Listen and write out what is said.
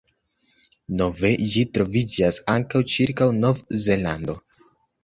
Nove ĝi troviĝas ankaŭ cirkaŭ Nov-Zelando.